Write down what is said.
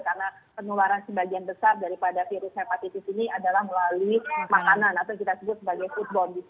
karena penularan sebagian besar daripada virus hepatitis ini adalah melalui makanan atau kita sebut sebagai food bond